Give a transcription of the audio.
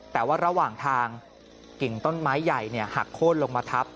แต่ว่าระหว่างทางกิ่งต้นไม้ใหญ่หักโค้นลงมาทับ